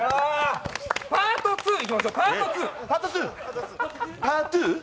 パート２いきましょう、パート２。